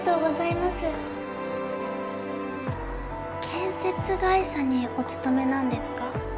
建設会社にお勤めなんですか？